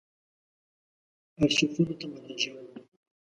آرشیفونو ته مراجعه وکړو.